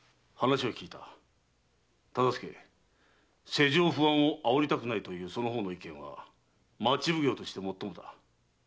世情不安を煽りたくないというその方の意見は町奉行としてもっともだ。